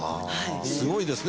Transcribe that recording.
すごいですね。